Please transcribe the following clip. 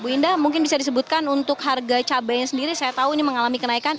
bu indah mungkin bisa disebutkan untuk harga cabainya sendiri saya tahu ini mengalami kenaikan